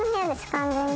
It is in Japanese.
完全に。